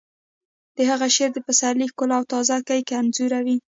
د هغه شعر د پسرلي ښکلا او تازه ګي انځوروي